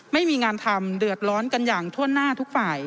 ไม่มีงานทำเดือดร้อนกันอย่างทั่วหน้าทุกฝ่าย